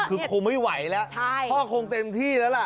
คือคงไม่ไหวแล้วพ่อคงเต็มที่แล้วล่ะ